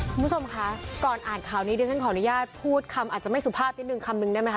คุณผู้ชมคะก่อนอ่านข่าวนี้เดี๋ยวฉันขออนุญาตพูดคำอาจจะไม่สุภาพนิดนึงคำนึงได้ไหมค